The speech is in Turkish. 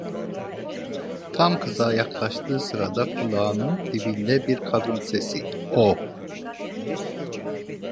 Tam kıza yaklaştığı sırada kulağının dibinde bir kadın sesi: "O!"